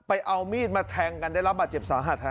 เอามีดมาแทงกันได้รับบาดเจ็บสาหัสฮะ